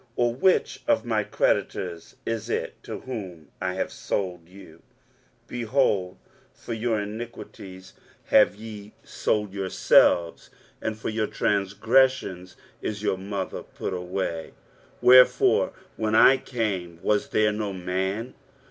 or which of my creditors is it to whom I have sold you? Behold, for your iniquities have ye sold yourselves, and for your transgressions is your mother put away. 23:050:002 Wherefore, when I came, was there no man?